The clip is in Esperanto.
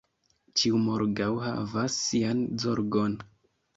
Ĉiu morgaŭ havas sian zorgon.